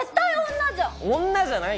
女じゃないよ。